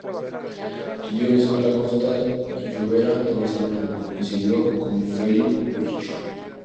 Estudió en la Escuela Costa y Llobera de Barcelona, donde coincidió con Felip Puig.